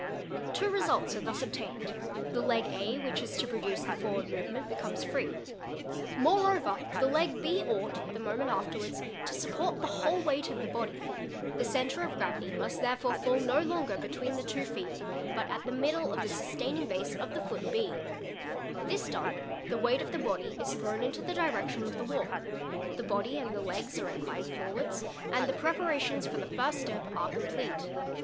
Two results are thus obtained; he leg A which is to produce the forward movement becomes free. [oreover the leg B ought, the moment afterwards, to support the whole | ight of the body, the centre of gravity must therefore fall no longer ety veen the two feet, but at the middle of the sustaining base of the foot _ This done the weight of the body is thrown into the direction of the V lk; the body and the legs are inclined forwards and the preparations nf AN A 9 AR IAA! PREM Bee z= 4 He . 504 FOOTPRINTS Fag. 87. for the first step are complete.